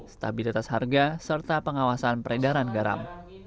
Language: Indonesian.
stabilitas harga serta pengawasan peredaran garam